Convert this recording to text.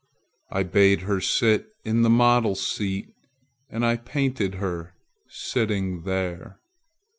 I bade her sit in the model's seat And I painted her sitting there.